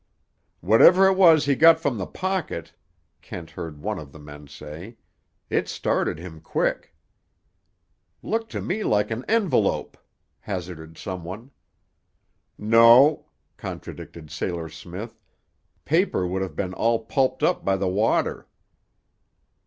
"Whatever it was he got from the pocket," Kent heard one of the men say, "it started him quick." "Looked to me like an envelope," hazarded some one. "No," contradicted Sailor Smith; "paper would have been all pulped up by the water."